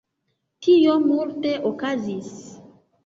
Tio multe okazis